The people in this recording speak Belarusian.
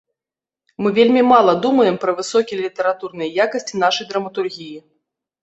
Мы вельмі мала думаем пра высокія літаратурныя якасці нашай драматургіі.